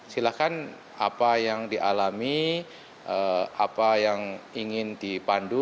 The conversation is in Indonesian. silahkan apa yang dialami apa yang ingin dipandu